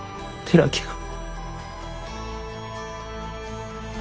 寺木が。